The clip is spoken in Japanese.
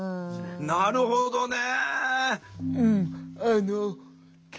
なるほどね。